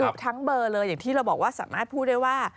แบบที่เราบอกสามารถพูดได้ว่า